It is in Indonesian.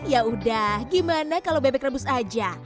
yaudah gimana kalau bebek rebus aja